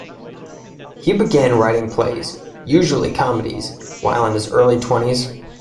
He began writing plays, usually comedies, while in his early twenties.